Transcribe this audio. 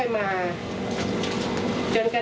แม่ชีค่ะ